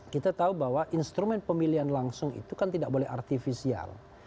kita tahu bahwa instrumen pemilihan langsung itu kan tidak boleh artifisial